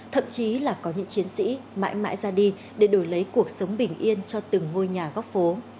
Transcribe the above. thậm chí là có những chiến sĩ mãi mãi ra đi để đổi lấy cuộc sống bình yên cho từng ngôi nhà góc phố